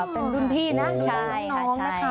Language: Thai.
เป็นรุ่นพี่นั่งใจ